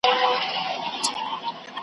چي کمزوری دي ایمان دی که غښتلی دي شیطان .